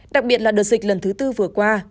đặc biệt là đợt dịch lần thứ tư vừa qua